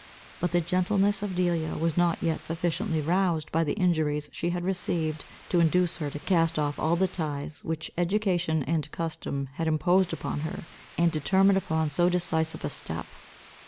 But the gentleness of Delia was not yet sufficiently roused by the injuries she had received, to induce her, to cast off all the ties which education and custom had imposed upon her, and determine upon so decisive a step.